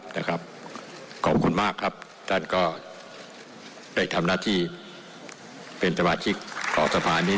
นะครับขอบคุณมากครับท่านก็ได้ทำหน้าที่เป็นสมาชิกของสภานี้